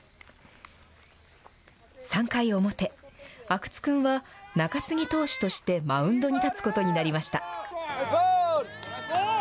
３回表、阿久津君は中継ぎ投手としてマウンドに立つことになりました。